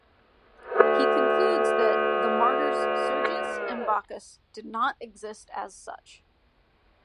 He concludes that "the martyrs Sergius and Bacchus did not exist as such".